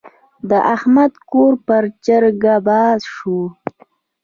د احمد کور پر چرګه بار شو.